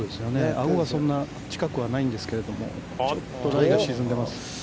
アゴがそんな近くはないんですけどちょっとライが沈んでます。